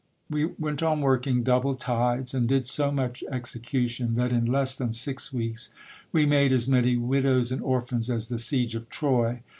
We went on working double tides, and did so much execution, that in less than six weeks we made as many widows and orphans as the siege of Troy.